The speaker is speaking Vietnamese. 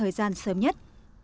thời gian sớm nhất